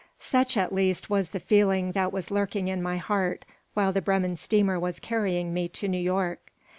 Such, at least, was the feeling that was lurking in my heart while the Bremen steamer was carrying me to New York.